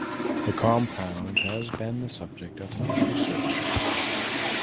The compound has been the subject of much research.